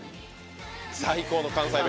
最高の関西弁。